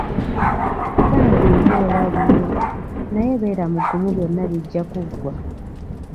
Bambi ng’olabye! Naye beera mugumu byonna bijja kuggwa.